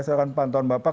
berdasarkan pantauan bapak